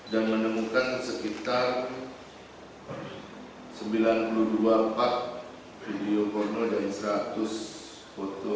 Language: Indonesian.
dan menemukan sekitar sembilan puluh dua video porno dan seratus foto